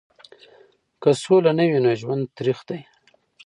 که سوله نه وي نو ژوند تریخ دی.